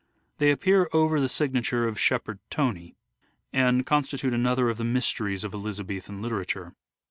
They appear over the signature of Shepherd Tony and constitute another of the mysteries of Elizabethan literature.